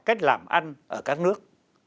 cách làm ăn ở các nước